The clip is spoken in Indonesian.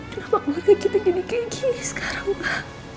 kenapa kita jadi kayak gini sekarang pak